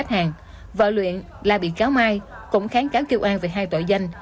hàng vợ luyện là bị cáo mai cũng kháng cáo kêu an về hai tội danh